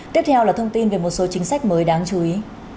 tiếp theo là thông tin về một số chính sách mới đáng chú ý